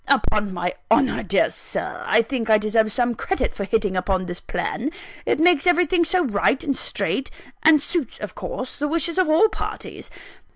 Upon my honour, my dear Sir, I think I deserve some credit for hitting on this plan it makes everything so right and straight, and suits of course the wishes of all parties!